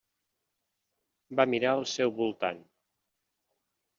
Va mirar al seu voltant.